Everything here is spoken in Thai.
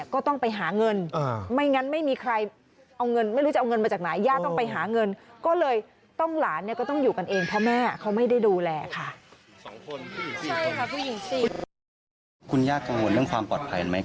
คุณยากกังวลเรื่องความปลอดภัยไหม